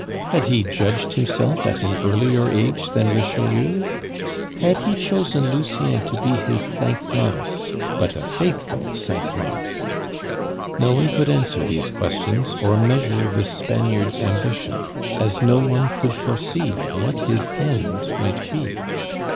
Had he judged himself at an earlier age than Richelieu? Had he chosen Lucien to be his Cinq Mars, but a faithful Cinq Mars? No one could answer these questions or measure this Spaniard's ambition, as no one could foresee what his end might be.